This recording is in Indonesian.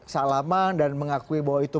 salaman dan mengakui bahwa itu